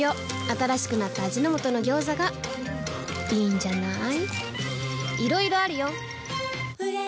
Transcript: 新しくなった味の素の「ギョーザ」がいいんじゃない？